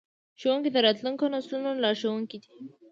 ښوونکي د راتلونکو نسلونو لارښوونکي دي.